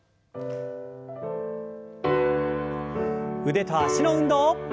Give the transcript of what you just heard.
腕と脚の運動。